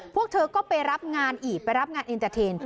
พวกเธอก็ไปรับงานอีกไปรับงานเอ็นเตอร์เทน